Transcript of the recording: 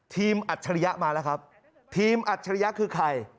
อัจฉริยะมาแล้วครับทีมอัจฉริยะคือใคร